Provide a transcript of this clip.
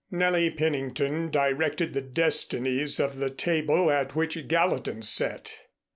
Nellie Pennington directed the destinies of the table at which Gallatin sat.